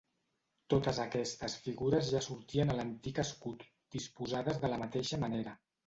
Totes aquestes figures ja sortien a l'antic escut, disposades de la mateixa manera.